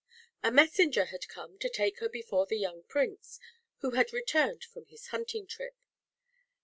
A Messenger had come to take her before the young Prince, who had returned from his hunting trip.